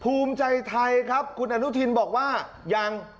ภูมิใจไทยครับคุณอนุทินบอกว่ายัง